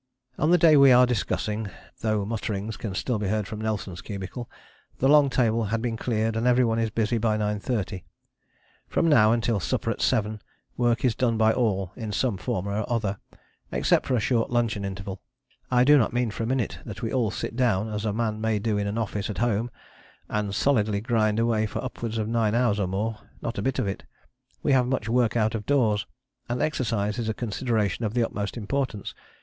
On the day we are discussing, though mutterings can still be heard from Nelson's cubicle, the long table has been cleared and every one is busy by 9.30. From now until supper at 7 work is done by all in some form or other, except for a short luncheon interval. I do not mean for a minute that we all sit down, as a man may do in an office at home, and solidly grind away for upwards of nine hours or more. Not a bit of it. We have much work out of doors, and exercise is a consideration of the utmost importance.